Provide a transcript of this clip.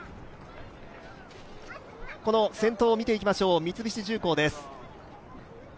先頭を見ていきましょう三菱重工です。